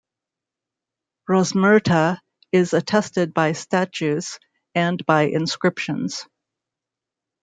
Rosmerta is attested by statues, and by inscriptions.